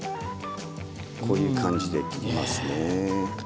こういう感じで切りますね。